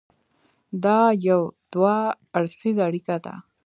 دا یو دوه اړخیزه اړیکه ده.